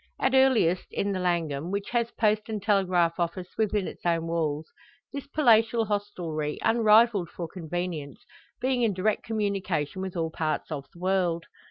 At earliest in the Langham, which has post and telegraph office within its own walls, this palatial hostelry, unrivalled for convenience, being in direct communication with all parts of the world.